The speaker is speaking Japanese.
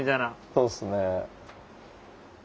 そうですね。